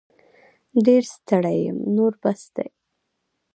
ډير ستړې یم نور بس دی